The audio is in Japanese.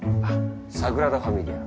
サグラダ・ファミリア。